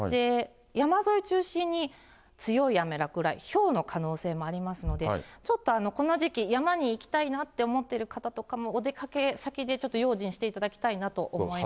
山沿い中心に、強い雨、落雷、ひょうの可能性もありますので、ちょっとこの時期、山に行きたいなって思ってる方とかも、お出かけ先でちょっと用心していただきたいなと思います。